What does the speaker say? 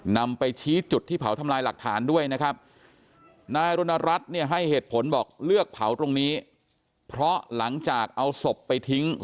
นำไปชี้จุดที่เผาทำลายหลักษาด้วยนะครับนายรถนรัฐเนี่ยให้เหตุผลบอกเลือกเผาตรงนี้